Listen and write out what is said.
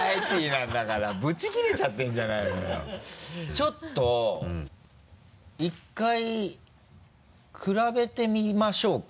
ちょっと１回比べてみましょうか。